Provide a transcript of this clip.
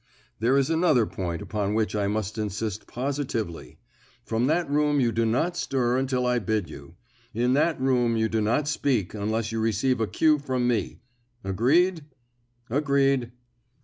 "There is another point upon which I must insist positively. From that room you do not stir until I bid you; in that room you do not speak unless you receive a cue from me. Agreed?" "Agreed."